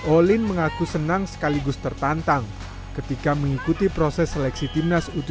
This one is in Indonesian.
olin mengaku senang sekaligus tertantang ketika mengikuti proses seleksi timnas u tujuh belas